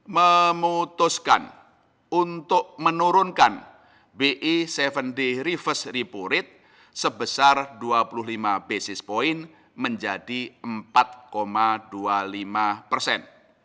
memutuskan untuk menurunkan bi tujuh day reverse repo rate sebesar dua puluh lima basis point menjadi empat dua puluh lima persen